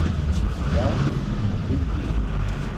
Da, dihin.